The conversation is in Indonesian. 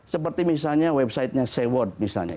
seperti misalnya websitenya seword misalnya